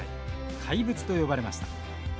怪物と呼ばれました。